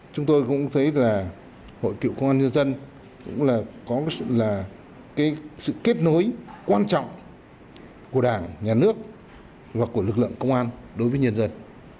chúng tôi cũng thấy là hội cựu công an nhân dân cũng là có sự là sự kết nối quan trọng của đảng nhà nước và của lực lượng công an đối với nhân dân